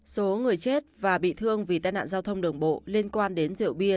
số người chết và bị thương vì tai nạn giao thông đường bộ liên quan đến rượu bia